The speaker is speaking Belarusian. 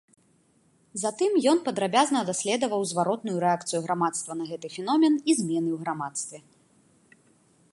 Затым ён падрабязна даследаваў зваротную рэакцыю грамадства на гэты феномен і змены ў грамадстве.